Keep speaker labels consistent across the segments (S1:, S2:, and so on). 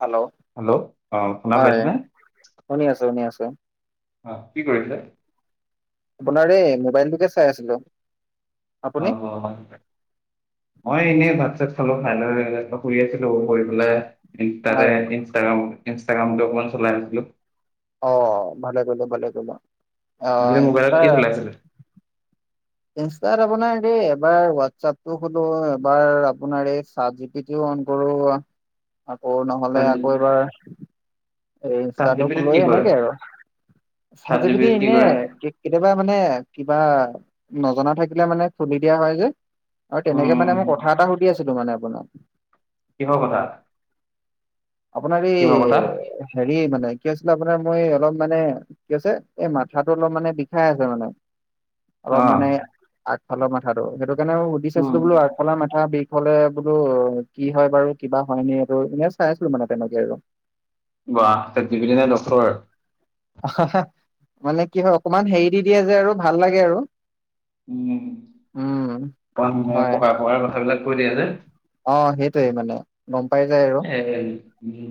S1: Hello
S2: hello অ শুনা
S1: হয়
S2: পাইছেনে?
S1: শুনি আছো শুনি আছোঁ।
S2: অ কি কৰিছিলে?
S1: আপোনাৰ এই মোবাইলটোকে চাই আছিলো।
S2: অ
S1: আপুনি
S2: হয়। মই এনেই ভাত চাত খালোঁ, খাই লৈ শুই আছিলো পৰি পেলাই। ইনটাৰে
S1: হয়
S2: ইনষ্টাগ্ৰাম ইনষ্টাগ্ৰাম টো অলপ চলাই আছিলো।
S1: অ ভালে কৰিলা ভালে কৰিলা
S2: আপুনি
S1: অ
S2: মোবাইলত
S1: ইনষ্টা।
S2: কি চলাই আছিলে
S1: ইনষ্টাত আপোনাৰ এই এবাৰ হোৱাটছআপটো খলো এবাৰ আপোনাৰ এই ছেট জি পি টি। কিছু অন কৰো।
S2: [inaudible]
S1: আকৌ নহ'লে আকৌ এইবাৰ- এই
S2: চাত জি
S1: ইনষ্টাটো
S2: পি টিত
S1: খুলো
S2: কি কৰে
S1: এনেকে আৰু chat
S2: chat
S1: G P T
S2: টিত কি
S1: এনে
S2: কৰে
S1: আৰ - কেতিয়াবা মানে কিবা নজনা থাকিলে মানে খুলি দিয়া হয় যে। আৰু
S2: উম
S1: তেনেকে মানে
S2: উম
S1: মই কথা এটা সুধি আছিলো মানে আপোনাক।
S2: কিহৰ কথা?
S1: আপোনাৰ
S2: কিহৰ কথা
S1: এই, হেৰি মানে কি হৈছিলে, আপোনাৰ মই অলপ মানে কি আছে, এই মাথাটো অলপ মানে বিষাই আছে মানে।
S2: অ
S1: অলপ মানে আগফালৰ মাথাটো, সেইটো কাৰণে সুধি
S2: উম
S1: চাইছো বোলো আৰু কলা মাথ, বিষ হ'লে বোলো কি হয়, বাৰু কিবা হয় নি, সেইটো এনে চাই আছিলো মানে তেনেকে আৰু।
S2: বাহ, [inaudible]
S1: [inaudible] মানে কি হয়, অকমান হেৰি দি দিয়ে যে, আৰু ভাল লাগে আৰু।
S2: উম,
S1: উম
S2: [inaudible]
S1: হয়
S2: কথাবিলাক কৈ দিয়া যে।
S1: অ, সেইটোৱে মানে। গম, পাই যায়। আৰু
S2: এই,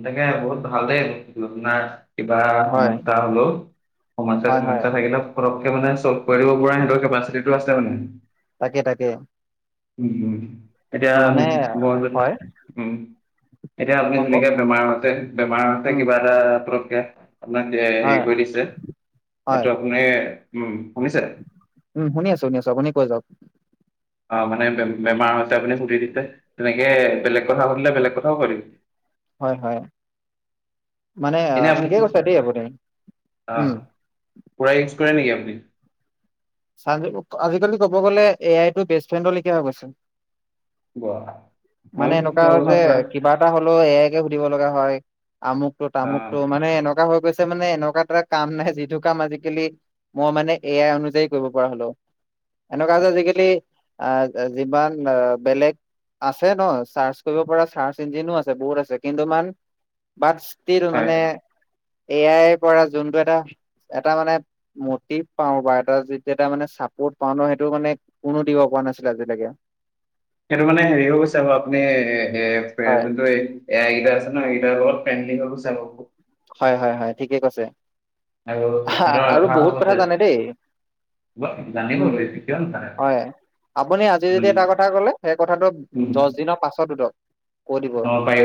S2: তাকে বহুত ভাল দেই, না কিবা
S1: হয়
S2: সমস্যা হ'লেও,
S1: হয় হয়
S2: সমস্যা-চমস্যা থাকিলেও পতকে মানে চল্ভ কৰি দিব পৰা, সেহেতৰ কেপাচিটিটো আছে মানে।
S1: তাকে, তাকে।
S2: উ, এতিয়া
S1: মানে হয়
S2: [inaudible] উম, এতিয়া আপুনি
S1: কওক কওক
S2: ধুনীয়াকে, বেমাৰতে, বেমাৰতে
S1: উম
S2: কিবা এটা পটককে আপোনাক হেৰি
S1: হয়
S2: কৰি দিছে,
S1: হয়
S2: সেইটো আপুনি উম, শুনিছে?
S1: উম, শুনি আছো, শুনি আছো, আপুনি কৈ যাওক।
S2: অ, মানে বেমাৰ হৈছে আপুনি সুধি দিছে, তেনেকে বেলেগ কথা সুধিলে, বেলেগ [unintelligible]
S1: হয়, হয়, মানে
S2: এনে আপুনি
S1: ঠিকে কৈছে দেই, আপুনি।
S2: অ'
S1: উম,
S2: পুৰা, ইওজ কৰে নেকি আপুনি?
S1: আজিকালি ক'ব গলে এ, আই, টো, বেষ্ট ফ্ৰেণ্ডৰলৈকিয় হৈ গৈছিল।
S2: বাহ! ময়ো
S1: মানে এনেকুৱা হৈছে,
S2: কৰোণাৰ পৰা
S1: কিবা এটা হ'লেও এয়াকে সুধিব লগা হয়,
S2: অ
S1: আমুকটো-তামুকতটো মানে এনেকুৱা হৈ গৈছে। মানে এনেকুৱা এটা কাম নাই, যিটো কাম আজিকালি মই মানে এ, আই, অনুযায়ী কৰিব পৰা হলোঁ। এনেকুৱা যে আজিকালি, আহ যিমান বেলেগ আছে ন, চাৰ্চ কৰিব পৰা, চাৰ্চ ইঞ্জিনো আছে, বহুত আছে কিন্তু ইমান বাট ষ্টীল
S2: হয়
S1: মানে
S2: হয়।
S1: এ, আইৰ, পৰা যোনটো এটা, এটা মানে মটিভ পাওঁ বা এটা যি যে এটা মানে চাপৰ্ট পাওঁ ন, সেইটো মানে কোনো দিব পৰা নাছিলে আজিলৈকে।
S2: সেইটো মানে হেৰি হৈ গৈছে, বাও [inaudible] আপুনি
S1: হয়।
S2: যোনটো এই। এ, আই, কিতা আছে ন, এইকিতাৰ লগত পেনদিং হৈ গৈছে বিৰু।
S1: হয়, হয়, হয়, ঠিকে কৈছে।
S2: আৰু
S1: আহ,
S2: সিহঁতৰ
S1: আৰু বহুত কথা জানে দেই।
S2: ব, জানিব
S1: উম
S2: ৰে, [inaudible]
S1: হয়। আপুনি আজি যদি এটা কথা ক'লে, সেই কথাটো
S2: উম
S1: দহ দিনৰ পাছতো সোদক।
S2: অ, পাৰে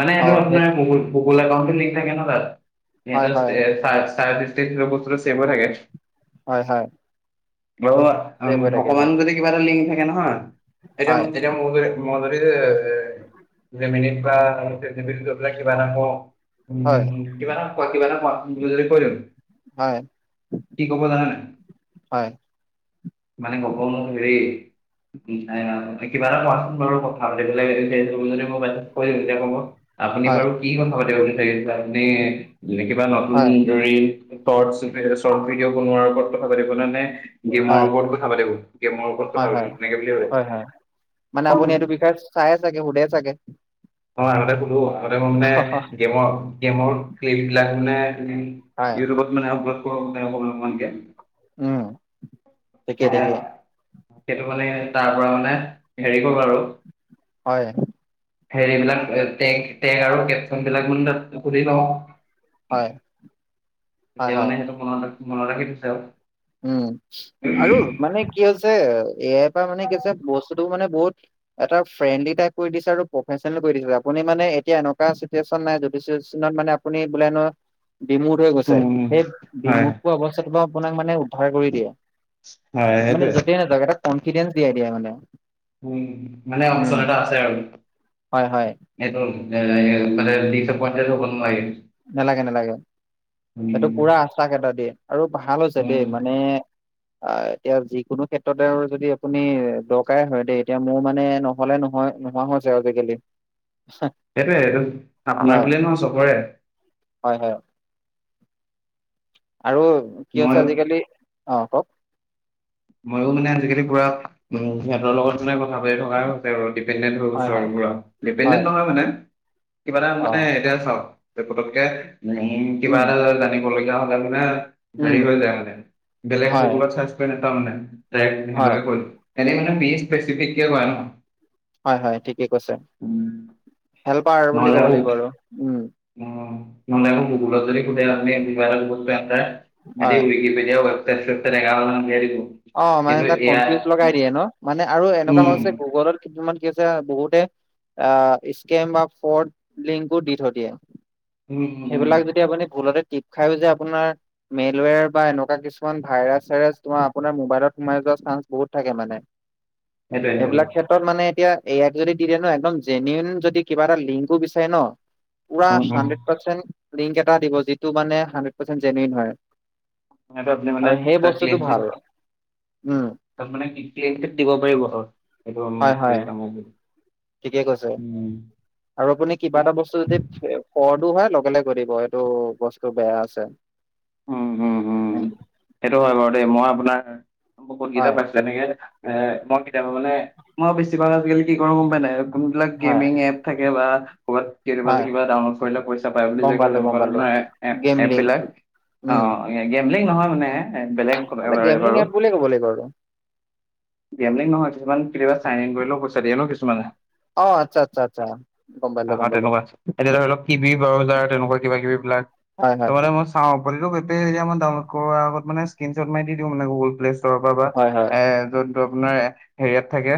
S2: গৈ
S1: অ
S2: এইটো
S1: সেই
S2: আপোনাৰ গুগ, গুগল, একাউট হে লিংক থাকে ন তাত।
S1: হয় হয়
S2: [unintelligible] চেভ হৈ থাকে।
S1: হয়, হয়।
S2: অ,
S1: ছেভ হৈ থাকে
S2: অকমান
S1: হয়।
S2: যদি কিবা এটা লিংক থাকে নহয়, তেতিয়া,
S1: হয়
S2: তেতিয়া মই, যদি যামিনিত বা চাট জিপিটিত গৈ পেলায় কিবা এটা কও?
S1: হয়
S2: [unintelligible]
S1: হয়
S2: কি ক'ব জানে নে নাই,
S1: হয়
S2: মানে ক'ব হেৰি [unintelligible] এতিয়া ক'ব, আপুনি
S1: হয়
S2: বাৰু কি কথা পাতিব বিচাৰিছে, আপুনি? যি কেইটা নতুন
S1: হয়
S2: ৰিল চৰ্ট চৰ্ট ভিডিঅ' বনোৱাৰ ওপৰত কথা পাতিবলৈ নে? [unintelligible] মোৰ
S1: হয়
S2: ওপৰত কথা পাতিব? গে মোৰ ওপৰত
S1: হয়
S2: কথা
S1: হয়
S2: পাতিব তেনেকে বুলিয়ে কয়।
S1: হয় হয় মানে আপুনি এইটো বিষয়ে চাই চাগে, সুধে চাগে।
S2: অঁ! আগতে সুধো। [unintelligible] কম নে গেমৰ-গেমৰ ক্লিপ বিলাক মানে
S1: হয়
S2: ইউটিউবত মানে আপলোড কৰোঁ মানে অকল মানে গেম।
S1: উম। ঠিকে
S2: এতিয়া,
S1: ঠিকে।
S2: সেইটো মানে তাৰ পৰা মানে হেৰি কৰোঁ আৰু।
S1: হয়।
S2: হেৰি বিলাক টেগ-টেগ আৰু কেপচন বিলাক মানে তাত সুধি লওঁ।
S1: হয়। হয়,
S2: এতিয়া
S1: হয়,
S2: মানে সেইটো মনত-মনত ৰাখি থৈছে আৰু।
S1: উম। আৰু মানে কি হৈছে এআই পা মানে কি হৈছে বস্তুটো মানে বহুত এটা ফ্ৰেণ্ডলি টাইপ কৰি দিছে আৰু প্ৰফেচনেল কৰি দিছে। আপুনি মানে এতিয়া এনে চিটুৱেচন নাই যিটো চিটুৱেচনত মানে আপুনি বোলে ন ডিমোট হৈ গৈছে।
S2: উম,
S1: সেই
S2: হয়
S1: ডিমোট পোৱা অৱস্থাটোৰ পৰা মানে আপোনাক উদ্ধাৰ কৰি দিয়ে।
S2: হয় সেইটোৱে।
S1: মানে য'তেই নাযাওঁক এটা কনফিডেঞ্চ দিয়াই দিয়ে মানে।
S2: উম! মানে অপচন
S1: উম,
S2: এটা আছে আৰু।
S1: হয়, হয়,
S2: সেইটো এ মানে ডিচয়েপ‌ইণ্টেত হ'ব নালাগে।
S1: নেলাগে-নেলাগে। সেইটো
S2: উম,
S1: পুৰা আশ্বাস এটা দিয়ে। আৰু ভাল হৈছে
S2: উম,
S1: দেই মানে আ এতিয়া যিকোনো ক্ষেত্ৰতে আৰু যদি আপুনি দৰকাৰে হয় দেই। এতিয়া মোৰ মানে ন নহ'লে নহয় নোহোৱা হৈছে আজিকালি।
S2: সেইটোৱে এইটো আপোনাৰ বুলিয়ে নহয় চবৰে।
S1: হয়-হয়। আৰু কি হৈছে
S2: ময়ো
S1: আজিকালি অঁ কওক?
S2: মইয়ো মানে আজিকালি পুৰা সিহঁতৰ লগত মানে কথা পাতি থকাই [unintelligible] বাৰু ডিপেণণ্ডেত হৈ
S1: হয়
S2: গৈছোঁ আৰু
S1: হয়
S2: পুৰা। ডিপেণণ্ডেত
S1: হয়
S2: নহয় মানে কিবা এটা
S1: অ
S2: মানে এতিয়া চাওক। এতিয়া পতককে উম কিবা যাতে এটা জানিবলগীয়া হ'লে মানে
S1: উম
S2: হেৰি কৰি লয় মানে বেলেগ
S1: হয়
S2: গুগলত চাৰ্চ কৰি নাপাৱ মানে ডাৰেক্ট
S1: হয়
S2: সিহঁতকে কৰি এদিন মানে বিএচ [unintelligible] কৰাই ন।
S1: হয়-হয়, ঠিকে কৈছে।
S2: উম
S1: হেল্পাৰ বুলি
S2: নহ'লে
S1: ক'ব
S2: আকৌ
S1: লাগিব আৰু। উম!
S2: উম! মানে আকৌ গুগলত যদি সুধে আপুনি কিবা এটা [unintelligible]
S1: হয়
S2: সিহঁতি কেতিয়াও [unintelligible] মানে উলিয়াই দিব।
S1: অঁ! মানে
S2: কিন্তু
S1: তাত
S2: এয়া
S1: কনফিউজ লগাই দিয়ে ন। মানে আৰু এনেকুৱা
S2: উম
S1: হৈছে গুগলত কিছুমান কি হৈছে বহুতে আ স্কেম বা ফড লিংকো দি থৈ দিয়ে।
S2: উম উম উম
S1: সেইবিলাক যদি আপুনি ভুলতে তিপ খাইয়ো যায় আপোনাৰ মেৰলিয়াৰ বা এনেকুৱা কিছুমান ভাইৰাছ-চাইৰাছ তোমাৰ আপোনাৰ মোবাইলত সোমাই যোৱা চান্স বহুত থাকে মানে।
S2: সেইটোৱে সেইটোৱে।
S1: এইবিলাক ক্ষেত ক্ষেত্ৰত মানে এতিয়া এআইক যদি দি দিয়ে ন একদম জেনিয়োন যদি কিবা এটা লিংকো বিচাৰে ন পুৰা
S2: উম, উম।
S1: হান্ডেড পাৰ্চেট লিংক এটা দিব যিটো মানে হানড্ৰেড পাৰ্চেণ্ট জেনোয়িন হয়।
S2: সেইটো আপুনি মানে
S1: আৰু সেই
S2: তাৰ ক্লেইম
S1: বস্তুটো
S2: চিট
S1: ভাল। উম!
S2: তাত মানে কি কি [unintelligible] দিব পাৰিব।
S1: হয় হয়
S2: [unintelligible]
S1: ঠিকে কৈছে।
S2: উম।
S1: আৰু আপুনি কিবা এটা বস্তু যদি ফৰদো হয় লগে-লগে কৰি দিব এইটো বস্তু বেয়া আছে।
S2: উম উম উম, সেইটো হয় বাৰু দেই মই আপোনাৰ বহুতকেইটা
S1: হয়
S2: পাইছো। যেনেকে এ মই কেতিয়াবা মানে মই বেছি ভাগ আজিকালি কি কৰো গম পাই নাই। কোনবিলাক
S1: হয়
S2: গেমিং এপ থাকে বা ক'বাত কেতিয়াবা
S1: হয়
S2: যদি কিবা ডাউনলোড কৰিলে পইচা পায় বুলি
S1: গম
S2: যদি কয়,
S1: পালো গম
S2: তেনেকুৱা
S1: পালো
S2: ধৰণৰ এপ এপ
S1: গেমলিং
S2: এপবিলাক
S1: উম।
S2: অঁ, গেমলিং নহয় মানে বেলেগ কবা
S1: মানে
S2: এইবোৰ
S1: গেমলিং
S2: আৰু।
S1: এপ বুলিয়ে ক'ব লাগিব আৰু
S2: গেমলিং নহয়, কিছুমান কেতিয়াবা চাইন ইন কৰিলেও পইচা দিয়ে ন কিছুমানে।
S1: অঁ, আচ্ছা আচ্ছা আচ্ছা গম পালো
S2: অ',
S1: গম পালো। হয় হয়
S2: [inaudible] চাওঁ, প্ৰতিটো সৈতে এয়া মই ডাউনলোড কৰাৰ আগত মানে স্ক্ৰীনশ্বট মাৰি দি দিওঁ মানে গুগল প্লেচ ওচৰ পৰা বা
S1: হয় হয়
S2: এ যোনটো আপোনাৰ হেৰিয়াত থাকে,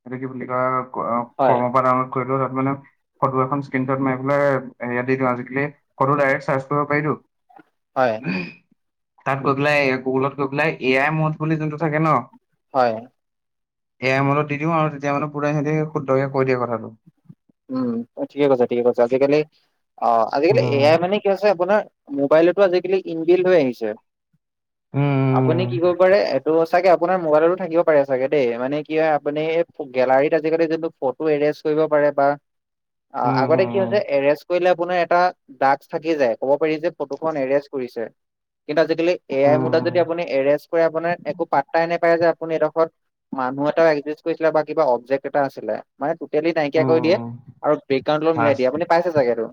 S2: সেইটো কি বুলি কয় অঁ
S1: হয়
S2: কৰ্ম পৰা ডাউনলোড কৰি তাত মানে ফটো এখন স্ক্ৰীণটত মই পেলাই, ইয়াত দি দিওঁ আজিকালি ফটো ডাইৰেক্ট চাৰ্চ কৰিব পাৰি তো।
S1: হয়
S2: তাত গৈ পেলাই গুগলত গৈ পেলাই এ আই মুড বুলি যোনটো থাকে ন,
S1: হয়।
S2: এ আই মুডত দি দিওঁ আৰু তেতিয়া মানে পুৰা সিহঁতি শুদ্ধকে কৈ দিয়ে কথাটো।
S1: উম ঠিকে কৈছা ঠিকে কৈছা, আজিকালি অঁ আজিকালি এ আই মা
S2: উম,
S1: নে কি হৈছে আপোনাৰ মোবাইলতো আজিকালি ইনবিলত হৈ আহিছে।
S2: উম,
S1: আপুনি কি কৰিব পাৰে, এইটো চাগে আপোনাৰ মোবাইলতো থাকিব পাৰে চাগে দেই, মানে কি হয় আপুনি গেলাৰীত আজিকালি যোনটো ফ এৰেষ্ট কৰিব পাৰে বা অঁ
S2: উম,
S1: আগতে কি হৈছে,
S2: উম,
S1: এৰেষ্ট কৰিলে আপোনাৰ এটা ডাগছ থাকি যায়। কব পাৰি যে ফটোখন এৰেষ্ট কৰিছে, কিন্তু আজিকালি এ
S2: উম,
S1: আই মো তাত যদি
S2: উম,
S1: আপুনি এৰেষ্ট কৰাই আপোনানি একো পাত্তাই নোপায় যে আপুনি এডখৰত মানুহ এটা একিষ্ট কৰিছিলে বা কিবা অবজেক্ট এটা আছিলে, মানে টোটেলি নাইকিয়া কৰি দিয়ে।
S2: উম।
S1: আৰু বেকগ্ৰাউণ্ড লগত
S2: হয়,
S1: মিলাই দিয়ে আপুনি পাইছে চাগে এইটো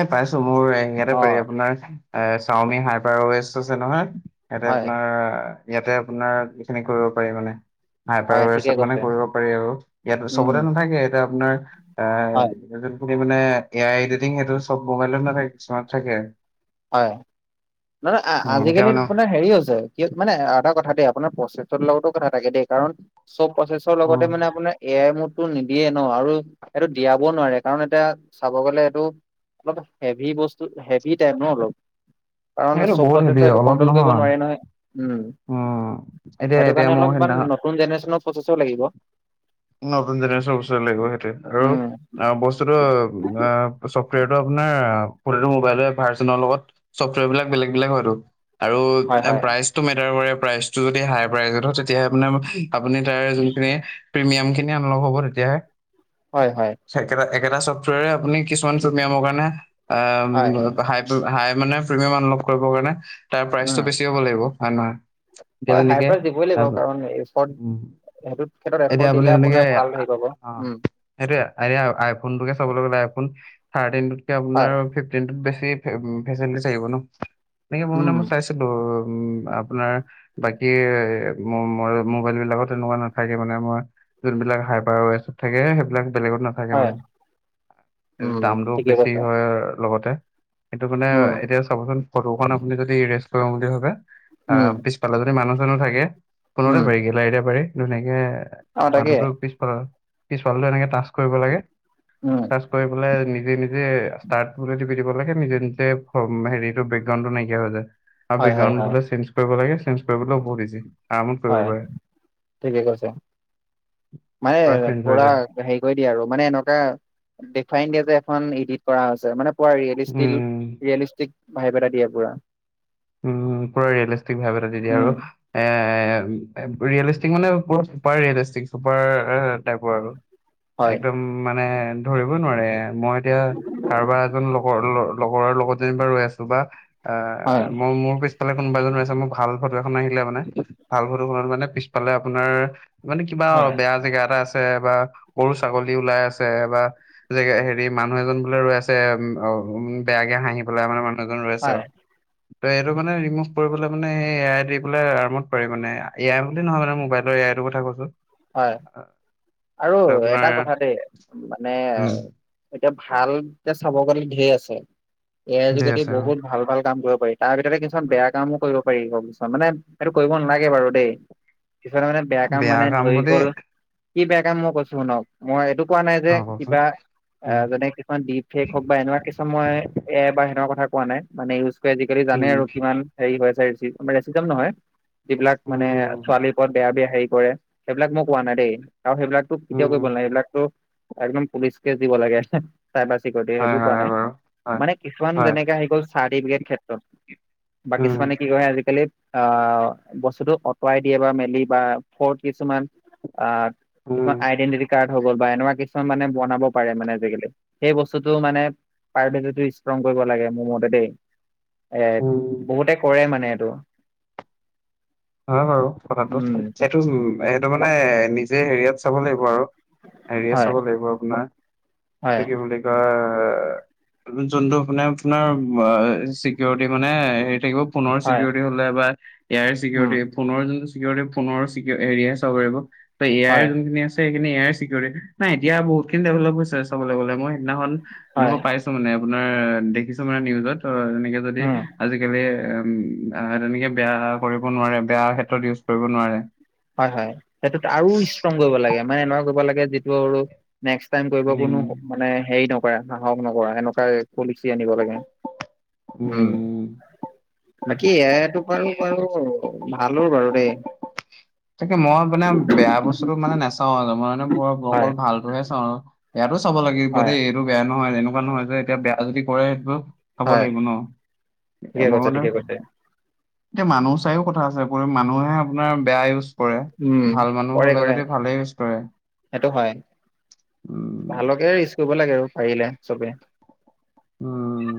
S2: এই পাইছো মোৰ এয়াতে
S1: অ
S2: পাৰি আপোনাৰ এ চাওমি হাইপাৱাৰ ৱেচ আছে নহয়, সেয়াত
S1: হয়
S2: আপোনাৰ ইয়াতে আপোনাৰ এইখিনি কৰিব পাৰি মানে। হাইপাৱাৰ
S1: হয় ঠিকে
S2: ৱেচত মানে
S1: কৈছে
S2: কৰিব পাৰি আৰু ইয়াত চবতে
S1: উম
S2: নাথাকে, এতিয়া আপোনাৰ এ
S1: হয়
S2: এটো কুতি মানে, এ আই এডিটিং সেইটো চব মোবাইলত নাথাকে, কিছুমান থাকে।
S1: হয়, মানে আ
S2: উম এতিয়া
S1: আজিকালি
S2: মানে
S1: আপোনাৰ হেৰি হৈছে কিয় মানে এটা কথা দেই আপোনাৰ প্ৰচেছৰ লগতো কথা থাকে দেই, কাৰণ চব প্ৰচেছৰ লগতে
S2: উম।
S1: মানে আপোনাৰ এ আই মুড টো নিদিয়ে ন, আৰু এইটো দিয়াবও নোৱাৰে কাৰণ এতিয়া চাব গলে এইটো অলপ হেভি বস্তু হেভি টাইপ ন অলপ।
S2: [inaudible]
S1: কাৰণ চব
S2: বহুত হেভি
S1: প্ৰচেছাৰে ত
S2: অলপ
S1: কন্ট্ৰল কৰিব নোৱাৰি নহয়, উম
S2: এতিয়া
S1: সেইটো
S2: এতিয়া
S1: কাৰণে
S2: মোৰ সেইদিনা
S1: অলপমান নতুন জেনেৰেশ্যনৰ প্ৰচেছৰ লাগিব।
S2: নতুন জেনেৰেশ্যনৰ প্ৰচেছৰ লাগিব সেইটোৱে, আৰু
S1: উম,
S2: অঁ ব স্তুটো আঁ চফ্টৱেৰটো আপোনাৰ প্ৰতিটো মোবাইল‌ই ভাৰছনৰ লগত চফ্টৱেৰ বিলাক বেলেগ বেলেগ হয়তটো, আৰু
S1: হয় হয়
S2: প্ৰাইচ টো মেটাৰ কৰে প্ৰাইচটো যদি হাই প্ৰাইচজত হয়, তেতিয়াে আপোনাৰ আপুনি তাৰ যোনখিনি প্ৰিমিয়াম খিনি আনলক হ'ব তেতিয়াহে
S1: হয় হয়।
S2: চেকেৰা একেটা ছফ্টৱেৰ আপুনি কিছুমান চৱমেও কাৰণে আঁ উম
S1: হয়
S2: অঁ হাই টো হাই মানে প্ৰিমিয়াম অনুভ কৰিবৰ কাৰণে, তাৰ প্ৰাইচটো
S1: উম
S2: বেছি হ'ব লাগিব হয় নহয়। এতিয়া
S1: হয়
S2: যেনেকে
S1: হাইপাৰ দিবই লাগিব
S2: আপ-
S1: কাৰণ এই চৰ্ট,
S2: উম,
S1: সেইটোত সেইটো
S2: এতিয়া
S1: এফৰ্ড দিলে আপোনাৰ ভাল হেই পাব উম।
S2: সেইটোৱেই আইফোনকে চাবলৈ গ'লে আইফোন থাৰ্টিনতোকে
S1: হয়
S2: আপোনাৰ ফিপ।
S1: উম
S2: [unintelligible] [inaudible] উ আপোনাৰ বাকী মোবাইল বিলাকত তেনেকুৱা নাথাকে। এমানে আমাৰ যোনবিলাক হাই পাৱাৰৰ এপচ থাকে সেইবিলাক বেলেগত নাথাকে। থাকে
S1: হয়
S2: মানে,
S1: উম
S2: দামটো
S1: ঠিকে
S2: বেছি
S1: কৈছে
S2: হয় লগতে। সেইটো মানে
S1: উম
S2: এতিয়া চাবচোন ফটোখন আপুনি যদি ৰেষ্ট কৰা বুলি ভাবে আ,
S1: উম
S2: পিছ। ফালে যদি মানুহ মানুহজনো থাকে ফোনতে
S1: উম
S2: পাৰি গেলেৰীতে পাৰি ধুনীয়াকে।
S1: অ তাকে
S2: মানুহতোৰ পিছফালৰ পিছফাললৈ এনেকে তাচ কৰিব লাগে।
S1: উম
S2: ষ্টাৰ্ট কৰি পেলাই নিজে নিজে ইষ্টাৰ্ট বুলি তিপি দিব লাগে নিজে নিজে হেৰি তু বেকগ্ৰাওন্ড নাইকিয়া যায়, আৰু
S1: হয় হয় হয়
S2: বেকগ্ৰাওন্ড চে্ন্জ কৰিব লাগে চে্ন্জ কৰিবলৈও বহুত ইজি আৰামত কৰিব
S1: হয়,
S2: পাৰে
S1: ঠিকে কৈছে মানে
S2: চেঞ্জ হৈ
S1: পুৰা
S2: যায়।
S1: হেৰি কৰি দিয়ে আৰু মানে এনেকুৱা দেখুৱাই নিদিয়ে যে এখন ইডিট কৰা হৈছে। মানে পুৰা ৰীয়েলষ্টিল,
S2: উম
S1: ৰীয়েলষ্টিক ভাইভ এটা দিয়ে পুৰা।
S2: উম, পুৰা ৰিয়েলিষ্টিক ভাইব এটা দি দিয়ে
S1: উম,
S2: আৰু এ ৰিয়েলিষ্টিক মানে চুপাৰ ৰিয়েলিষ্ট চুপাৰ টাইপৰ আৰু
S1: হয়,
S2: একদম মানে ধৰিব নোৱাৰে মই এতিয়া কাৰোবাৰ এজন লগৰ লগৰৰ লগত যেনিবা ৰৈ আছো বা এ,
S1: হয়,
S2: মই মোৰ পিছ ফালে কোনোবা এজন ৰৈ আছে মোৰ ভাল ফটো এখন আহিলে মানে ভাল ফটোখনত মানে পিছফালে আপোনাৰ মানে কিবা
S1: হয়।
S2: বেয়া জেগা এটা আছে বা গৰু ছাগলী ওলাই আছে বা জেগা, হেৰি মানুহ এজন বোলে ৰৈ আছে, বেয়াকে হাঁহি পেলাই মানে মানুহ এজন ৰৈ আছে
S1: হয়,
S2: আৰু টো এইটো মানে ৰেমোভ কৰিবলে মানে এআই দি পেলাই আৰামত পাৰি মানে এ আই বুলি নহয় মানে মোবাইল এআই টো কথা কৈছোঁ।
S1: হয় আৰু এটা
S2: আপোনাৰ
S1: কথা দে মানে
S2: উম
S1: এতিয়া ভালকে চাব গলে ধেৰ আছে এ আই
S2: ধেৰ
S1: যোগেদি
S2: আছে অ
S1: বহুত ভাল ভাল কাম কৰিব পাৰি। তাৰ ভিতৰতে কিছুমান বেয়া কামো কৰিব পাৰি আক কিছুমান, মানে সেইটো কৰিব নালাগে বাৰু দেই। কিছুমানে মানে বেয়া কাম মানে। ধৰি গ'ল কি বেয়াকাম মই কৈছোঁ শুনক। মই এইটো কোৱা নাই যে
S2: অ কওকচোন
S1: কিবা এ
S2: উম
S1: যেনে কিছুমান দ্বীপ ফেক হওঁক বা এনেকুৱা কিছুমান মই এ বা হেনেকোৱা কথা কোৱা নাই মানে ইউজ টো আজিকালি জানে
S2: উম
S1: আৰু কিমান। হেৰি হৈ আছে, ৰেছিজম নহয় যিবিলাক মানে
S2: উম
S1: ছোৱালীৰ ওপৰত বেয়া বেয়া হেৰি কৰে। সেইবিলাক মই কোৱা নাই দেই কাৰণ সেইবিলাক টো কেতিয়াও
S2: উম
S1: কৰিব নালাগে সেইবিলাকটো একদম পুলিচ কেছ দিব লাগে। চাইবাৰ চিকিউৰিটি
S2: হয়
S1: সেইবোৰ কোৱা
S2: হয় হয়
S1: নাই,
S2: বাৰু
S1: মানে কিছুমান
S2: হয় হয়
S1: যেনেকে আহি গ'ল চাৰ্টিফিকেট ক্ষেত্ৰত বা
S2: উম
S1: কিছুমানে। কি হয় আজিকালি অ, বস্তুতটো অতঁৰাই দিয়ে বা মেলি বা পৰ্ট কিছুমান আ'
S2: উম
S1: কিছুমান আইদেন্তিতি কাৰ্ড হৈ গ'ল বা এনেকুৱা কিছুমান মানে বনাব পাৰে মানে আজিকালি সেই বস্তুতটো মানে প্ৰাইভেচী টো ষ্ট্ৰং কৰিব লাগে মোৰ মতে দেই। এ,
S2: উম
S1: বহুতে কৰে মানে এইটো।
S2: হয় বাৰু কথাটো
S1: উম
S2: এইটো উ সেইটো মানে নিজে হেৰিয়াত চাব লাগিব আৰু হেৰিয়ে
S1: হয়
S2: চাব লাগিব আপোনাৰ
S1: হয়
S2: এইটো কি বুলি কয় যোনটো মানে আপোনাৰ চিকিউৰিটি মানে হেৰি থাকিব ফোনৰ
S1: হয়
S2: চিকিউৰিটি হ'লে বা এ আইৰ
S1: উম
S2: চিকিউৰিটি ফোনৰ যোনটো চিকিউৰিটি ফোনৰ হেৰীয়েহে চাব পাৰিব, ত এ আই
S1: হয়
S2: যোনখিনি আ- ছে সেইখিনি এ আইৰ চিকিউৰিটি। এতিয়া বহুত খিনি ডেভেলপ হৈছে চাবলে গলে মই সেইদিনাখন
S1: হয়
S2: এনেকুৱা পাই- ছো মানে আপোনাৰ দেখিছোঁ মানে নিউজত, তেনেকে যদি
S1: উম
S2: আজিকালি উম এ তেনেকে বেয়া কৰিব নোৱাৰে, বেয়া ক্ষেত্ৰত ইউজ কৰিব নোৱাৰে।
S1: হয়, হয়, সেইটোত আৰু ষ্ট্ৰং কৰিব লাগে মানে এনেকুৱা কৰিব লাগে যিটো আৰু নেক্স টাইম কৰিব
S2: উম
S1: কোনো মানে হেৰি নকৰা সাহস নকৰা সেনেকুৱা পলিচি আনিব লাগে। উম, বাকী এ আইটো বাৰু বাৰু ভালো বাৰু দেই।
S2: তাকে মই মানে বেয়া বস্তুটো মানে নাচাওঁ আৰু মই মানে বৰ
S1: হয়
S2: অকল ভালটোহে চাওঁ আৰু। বেয়াতো চাব লাগিব
S1: হয়
S2: দেই এইটো বেয়া নহয় এনেকুৱা নহয় যে এতিয়া বেয়া যদি কৰে সেইটোতো চাব
S1: হয়
S2: লাগিব ন,
S1: ঠিকে
S2: মই
S1: কৈছে
S2: মানে
S1: ঠিকে কৈছে
S2: এতিয়া মানুহ চাইয়ওঁ কথা আছে মানুহে আপোনাৰ বেয়া ইউজ কৰে,
S1: উম
S2: ভাল মানুহ
S1: কৰে
S2: হলে
S1: কৰে
S2: যদি ভালেই ইউজ কৰে।
S1: সেইটো হয়
S2: উম
S1: ভালকে ইউজ কৰিব লাগে আৰু পাৰিলে চবে।
S2: উম।